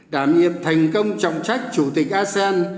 đảm nhiệm thành công trọng trách chủ tịch asean